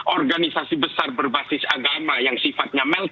organisasi besar berbasis agama yang sifatnya melting pot